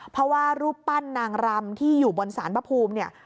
เพราะว่ารูปปั้นนางรำที่อยู่บนสารพระภูมิเนี่ย